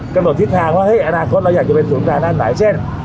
กำหนดทิศทางว่าเฮ้ยอนาคตเราอยากจะเป็นศูนย์กลางด้านไหนเช่น